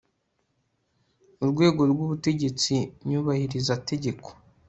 urwego rw'ubutegetsi nyubahiriza tegeko